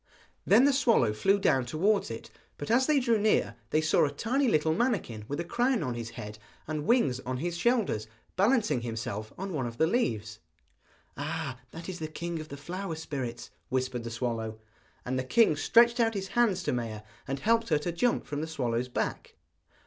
Then the swallow flew down towards it; but as they drew near they saw a tiny little manikin with a crown on his head, and wings on his shoulders, balancing himself on one of the leaves. 'Ah, that is the king of the flower spirits,' whispered the swallow. And the king stretched out his hands to Maia, and helped her to jump from the swallow's back.